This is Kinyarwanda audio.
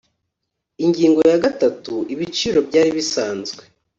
Ingingo ya gatanu Ibiciro byari bisanzwe